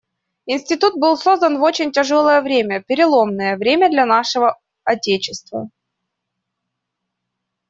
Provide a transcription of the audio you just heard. Институт был создан в очень тяжелое время, переломное время для нашего отечества.